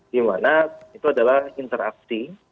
dimana itu adalah interaksi